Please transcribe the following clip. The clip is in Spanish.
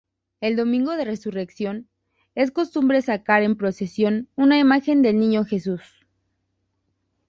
El Domingo de Resurrección, es costumbre sacar en procesión una imagen del Niño Jesús.